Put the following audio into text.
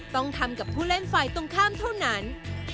ต้องทำกับผู้เล่นฝ่ายตรงข้ามเท่านั้น